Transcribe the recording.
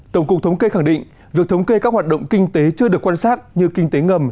tổng cục thống kê khẳng định việc thống kê các hoạt động kinh tế chưa được quan sát như kinh tế ngầm